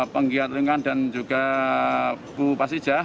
penggiat lingkungan dan juga ibu pasijah